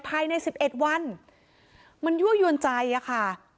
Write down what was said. ภายใน๑๑วันมันยั่วยวนใจอะค่ะ